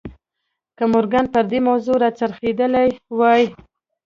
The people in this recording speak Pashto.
که مورګان پر دې موضوع را څرخېدلی وای